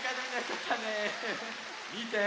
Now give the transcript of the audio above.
みて。